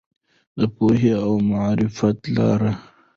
د پوهې او معرفت لاره.